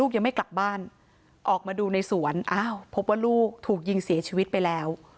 พบว่าลูกถูกยิงเสียชีวิตไปแล้ว